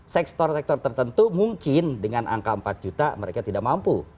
sektor sektor tertentu mungkin dengan angka empat juta mereka tidak mampu